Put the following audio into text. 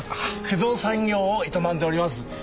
不動産業を営んでおります。